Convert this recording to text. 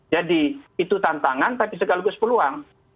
jadi itu tantangan tapi segala galanya peluang